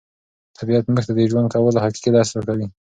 طبیعت موږ ته د ژوند کولو حقیقي درس راکوي.